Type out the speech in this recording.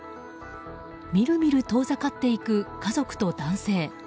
みるみる遠ざかっていく家族と男性。